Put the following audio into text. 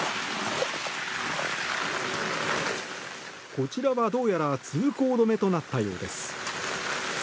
こちらはどうやら通行止めとなったようです。